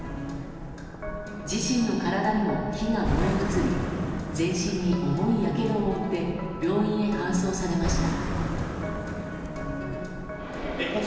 自身の体にも火が燃え移り全身に、重いやけどを負って病院へ搬送されました。